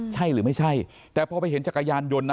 ใช่หรือไม่ใช่แต่พอไปเห็นจักรยานยนต์นะ